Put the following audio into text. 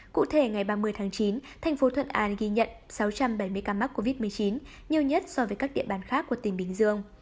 cụ thể ngày ba mươi tháng chín thành phố thuận an ghi nhận sáu trăm bảy mươi ca mắc covid một mươi chín nhiều nhất so với các địa bàn khác của tỉnh bình dương